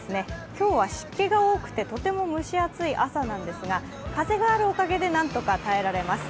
今日は湿気が多くてとても蒸し暑い朝なんですが風があるおかげでなんとか耐えられます。